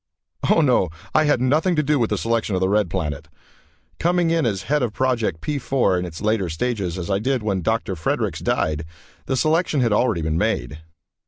Oh, no, I had nothing to do with the selection of the Red Planet. Coming in as head of Project P 4 in its latter stages, as I did when Dr. Fredericks died, the selection had already been made.